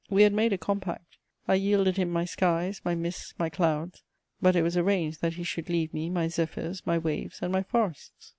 We had made a compact: I yielded him my skies, my mists, my clouds; but it was arranged that he should leave me my zephyrs, my waves, and my forests.